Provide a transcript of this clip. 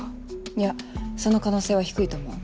いやその可能性は低いと思う。